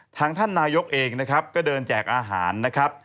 ท่านนายกเองนะครับก็เดินแจกอาหารนะครับ